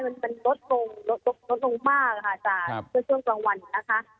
มันเป็นลดลงมากค่ะจากช่วงกลางวันนะคะ